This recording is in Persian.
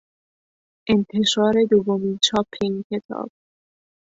انتشار دومین چاپ این کتاب